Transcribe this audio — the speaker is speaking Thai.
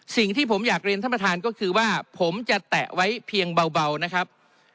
สิ่งที่ผมอยากเรียนท่านประธานก็คือว่าผมจะแตะไว้เพียงเบานะครับ